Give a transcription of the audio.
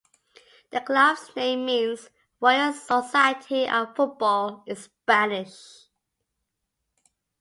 The club's name means "Royal Society of Football" in Spanish.